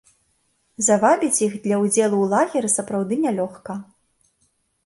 Завабіць іх для ўдзелу ў лагеры сапраўды нялёгка.